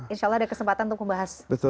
insya allah ada kesempatan untuk membahas